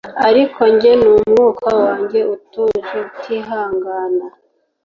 ariko njye numwuka wanjye utuje, utihangana